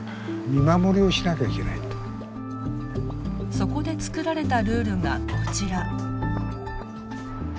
そこで作られたルールがこちら。